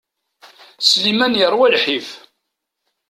Sliman yerwa lḥif.